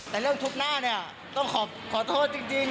แต่เรื่องทุบหน้าเนี่ยต้องขอโทษจริง